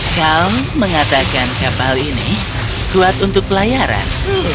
kaum mengatakan kapal ini kuat untuk pelayaran